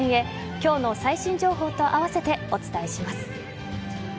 今日の最新情報と併せてお伝えします。